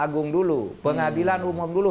agung dulu pengadilan umum dulu